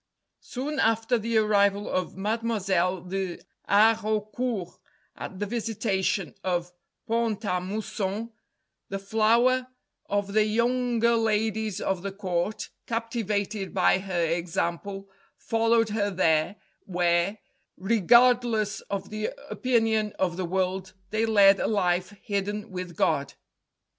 Soon after the arrival of Mademoiselle de Haraucourt at the Visitation of Pont a Mousson, the flower of the younger ladies of the Court, captivated by her example, followed her there, where, regardless of the opinion of the world, they led a life hidden with God.